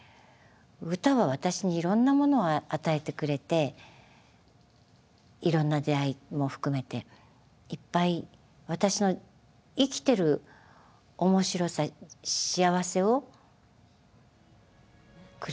歌は私にいろんなものを与えてくれていろんな出会いも含めていっぱい私の生きてるおもしろさ幸せをくれるものかな。